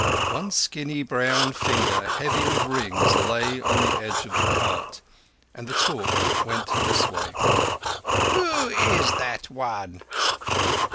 One skinny brown finger heavy with rings lay on the edge of the cart, and the talk went this way: "Who is that one?"